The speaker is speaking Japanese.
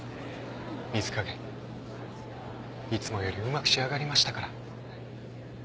水加減いつもよりうまく仕上がりましたから。